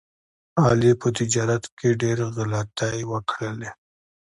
علي په تجارت کې ډېر غلطۍ وکړلې.